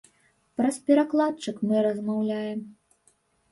Праз перакладчык мы размаўляем.